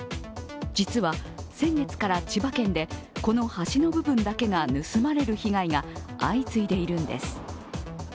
実は、先月から千葉県でこの端の部分だけが盗まれる被害が相次いでいるんです。